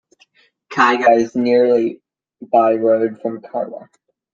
Kaiga is nearly by road from Karwar.